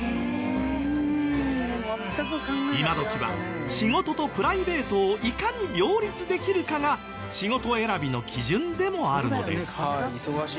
今どきは仕事とプライベートをいかに両立できるかが仕事選びの基準でもあるのです。